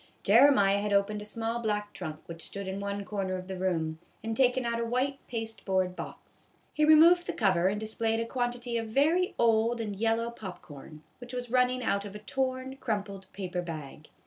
Jeremiah had opened a small black trunk which stood in one corner of the room, and taken out a white pasteboard box. He removed the cover and displayed a quantity of very old and yellow pop corn, which was running out of a torn, crumpled paper bag.